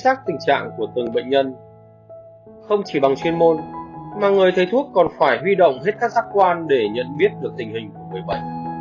chắc tình trạng của từng bệnh nhân không chỉ bằng chuyên môn mà người thầy thuốc còn phải huy động hết các giác quan để nhận biết được tình hình của người bệnh